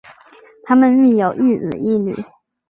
她们育有一子一女。